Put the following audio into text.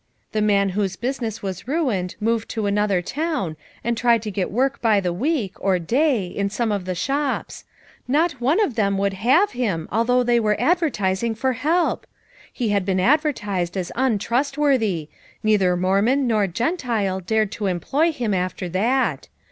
The man whose business was ruined moved to another town and tried to get work by the week, or day, in some of the shops; not one of them would have him although they were advertis ing for help! he had been advertised as un trustworthy; neither Mormon nor Gentile dared to employ him after that.